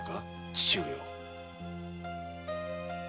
父上を。